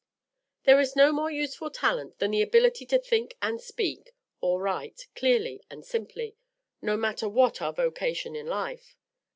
There is no more useful talent than the ability to think and speak (or write) clearly and simply, no matter what our vocation in life.